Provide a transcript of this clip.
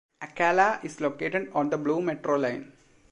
Akalla is located on the blue metro line.